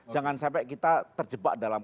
jangan sampai kita terjebak dalam